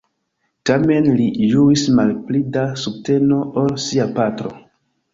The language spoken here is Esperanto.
Tamen li ĝuis malpli da subteno ol sia patro.